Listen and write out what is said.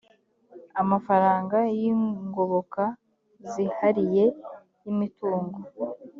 amafaranga y ingoboka zihariye y imitungo